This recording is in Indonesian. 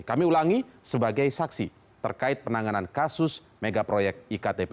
kami ulangi sebagai saksi terkait penanganan kasus megaproyek iktp